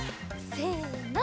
せの。